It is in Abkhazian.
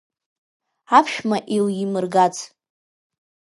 Аԥшәма еилимыргац.